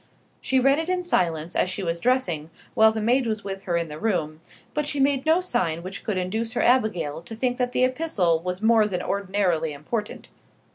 She read it in silence as she was dressing, while the maid was with her in the room; but she made no sign which could induce her Abigail to think that the epistle was more than ordinarily important.